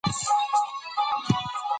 یو کتاب ولیکئ.